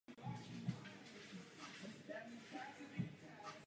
Musíme politiku přizpůsobit opatřením, která navrhuje věda.